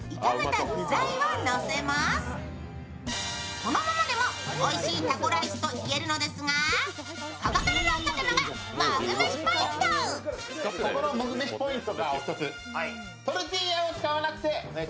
このままでもおいしいタコライスと言えるのですがここからのひと手間がモグ飯ポイント。